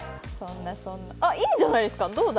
あ、いいじゃないですか、どうだ。